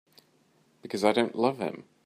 Because I don't love him.